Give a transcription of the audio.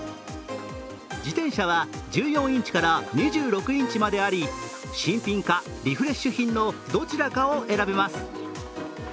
自転車は１４インチから２６インチまであり新品かリフレッシュ品のどちらかを選べます。